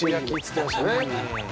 言ってましたね。